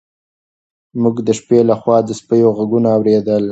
موږ د شپې لخوا د سپیو غږونه اورېدل.